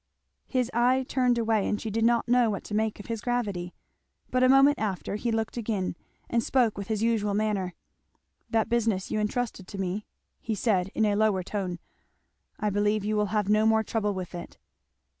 His eye turned away and she did not know what to make of his gravity. But a moment after he looked again and spoke with his usual manner. "That business you entrusted to me," he said in a lower tone, "I believe you will have no more trouble with it."